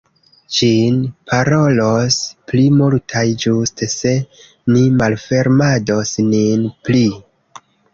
Ĝin parolos pli multaj ĝuste se ni malfermados nin pli!